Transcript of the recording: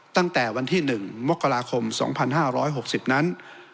ตั้งแต่วันที่๑มกราคม๒๕๖๐นั้น